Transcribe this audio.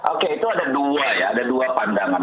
oke itu ada dua ya ada dua pandangan